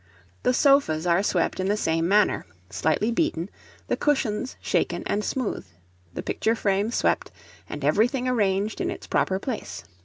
The sofas are swept in the same manner, slightly beaten, the cushions shaken and smoothed, the picture frames swept, and everything arranged in its proper place.